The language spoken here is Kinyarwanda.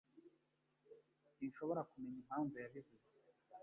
Sinshobora kumenya impamvu yabivuze.